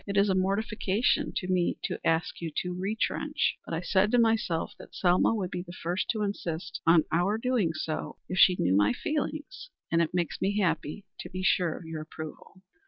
It is a mortification to me to ask you to retrench, but I said to myself that Selma would be the first to insist on our doing so if she knew my feelings, and it makes me happy to be sure of your approval."